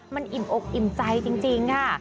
มันอิ่มอกอิ่มใจจริงค่ะ